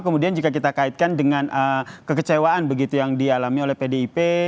kemudian jika kita kaitkan dengan kekecewaan begitu yang dialami oleh pdip